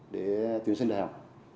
để tuyển sinh đại học